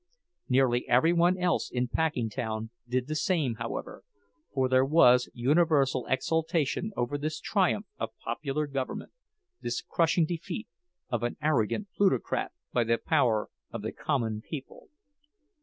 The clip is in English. Nearly every one else in Packingtown did the same, however, for there was universal exultation over this triumph of popular government, this crushing defeat of an arrogant plutocrat by the power of the common people.